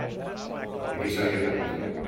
A qui se li acut!